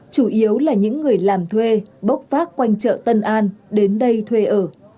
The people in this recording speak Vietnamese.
chủ yếu là những người làm thuê bốc vác quanh chợ tân an đến đây thuê ở